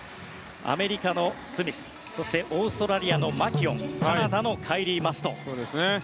アメリカのスミスそしてオーストラリアのマキュオンカナダのカイリー・マス。